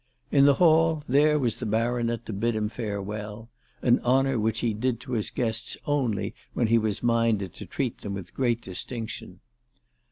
In the hall there was the Baronet to bid him farewell, an honour which he did to his guests only when he was minded to treat them with great distinc tion.